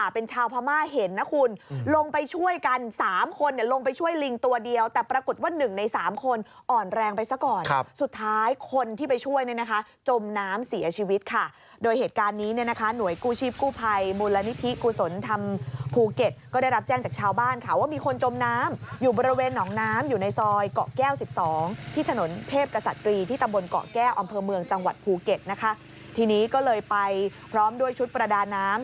เผลอเมืองจังหวัดภูเก็ตนะคะทีนี้ก็เลยไปพร้อมด้วยชุดประดาน้ำ